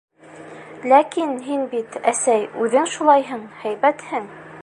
Ләкин, һин бит, әсәй, үҙең шулайһың. һәйбәтһең.